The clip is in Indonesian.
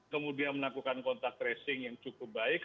kemudian melakukan kontak tracing yang cukup baik